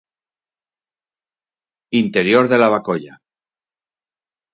Interior de Lavacolla.